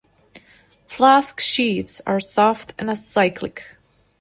Flasque sheaves are soft and acyclic.